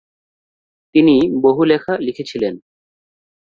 তিনি বহু লেখা লিখেছিলেন।